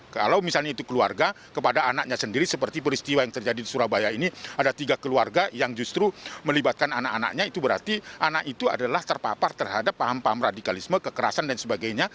kalau misalnya itu keluarga kepada anaknya sendiri seperti peristiwa yang terjadi di surabaya ini ada tiga keluarga yang justru melibatkan anak anaknya itu berarti anak itu adalah terpapar terhadap paham paham radikalisme kekerasan dan sebagainya